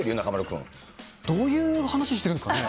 でもね、どういう話してるんですかね。